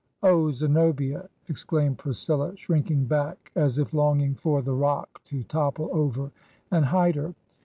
'Oh, Zenobia I' exclaimed Priscilla, shrinking back, as if longing for the rock to topple over and hide her.